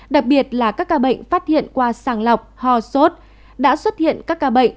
đặc biệt là các ca bệnh phát hiện qua sàng lọc ho sốt đã xuất hiện các ca bệnh